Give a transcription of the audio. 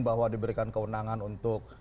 bahwa diberikan keundangan untuk